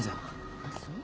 あっそう。